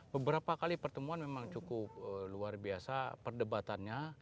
beberapa kali pertemuan memang cukup luar biasa perdebatannya